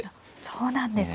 そうなんですか。